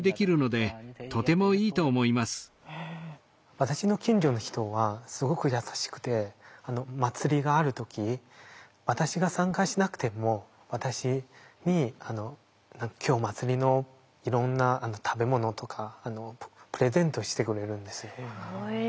私の近所の人はすごく優しくて祭りがある時私が参加しなくても私に今日祭りのいろんな食べ物とかプレゼントしてくれるんですよ。